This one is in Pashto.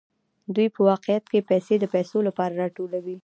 دوی په واقعیت کې پیسې د پیسو لپاره راټولوي